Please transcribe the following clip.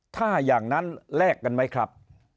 ถ้าอย่างนั้นแลกกันไหมครับ